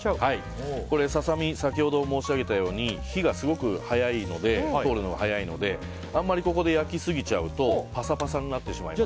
ササミ先ほども申し上げたように火が通るのがすごく早いのであんまりここで焼きすぎちゃうとパサパサになってしまいます。